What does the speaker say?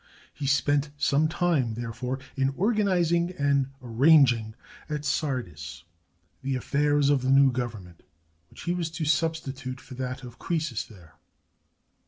He spent some time, therefore, in organizing and arranging, at Sardis, the affairs of the new govern ment which he was to substitute for that of Croesus there.